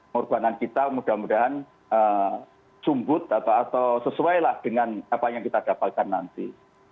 murbana kita mudah mudahan sumud atau sesuai apa yang kitanesikan nanti